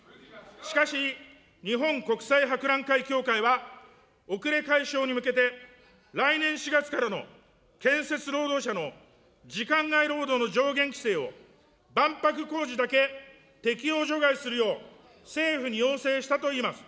しかし、日本国際博覧会協会は遅れ解消に向けて来年４月からの建設労働者の時間外労働の上限規制を、万博工事だけ適用除外するよう、政府に要請したといいます。